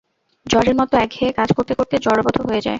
জড়ের মত একঘেয়ে কাজ করতে করতে জড়বৎ হয়ে যায়।